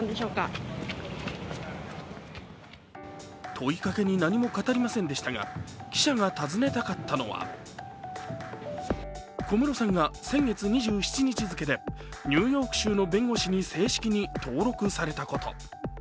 問いかけに何も語りませんでしたが、記者が訪ねたかったのは、小室さんが先月２７日付でニューヨーク州の弁護士に正式に登録されたこと。